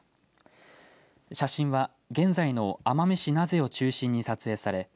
写真は現在の奄美市名瀬を中心に撮影され